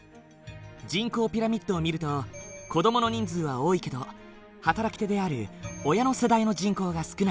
人口ピラミッドを見ると子どもの人数は多いけど働き手である親の世代の人口が少ない。